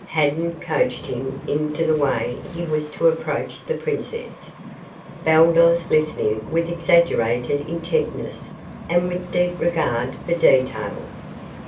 Haddan coached him in the way he was to approach the princess, Baldos listening with exaggerated intentness and with deep regard for detail.